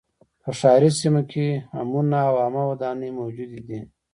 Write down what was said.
په ښاري سیمو کې حمونه او عامه ودانۍ موجودې وې